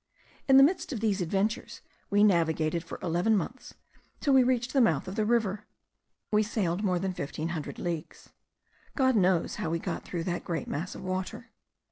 In the midst of these adventures we navigated for eleven months, till we reached the mouth of the river. We sailed more than fifteen hundred leagues. God knows how we got through that great mass of water.